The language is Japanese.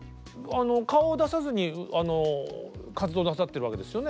顔を出さずに活動なさってるわけですよね？